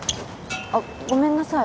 あっごめんなさい